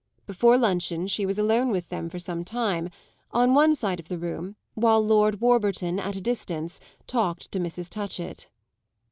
Before luncheon she was alone with them for some time, on one side of the room, while Lord Warburton, at a distance, talked to Mrs. Touchett.